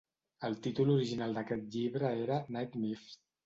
El títol original d'aquest llibre era "Night Moves".